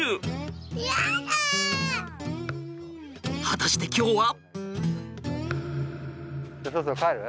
果たして今日は？